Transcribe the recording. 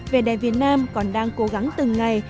vnvn còn đang cố gắng từng ngày